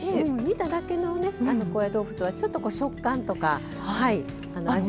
煮ただけのね高野豆腐とはちょっと食感とか味